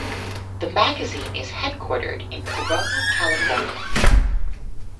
The magazine is headquartered in Corona, California.